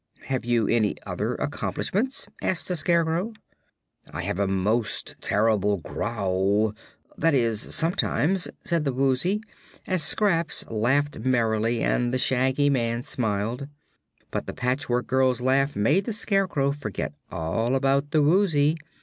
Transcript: "Have you any other accomplishments?" asked the Scarecrow. "I have a most terrible growl that is, sometimes," said the Woozy, as Scraps laughed merrily and the Shaggy Man smiled. But the Patchwork Girl's laugh made the Scarecrow forget all about the Woozy.